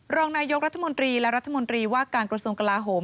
รองนายกรัฐมนตรีและรัฐมนตรีว่าการกระทรวงกลาโหม